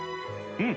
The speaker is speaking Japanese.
うん。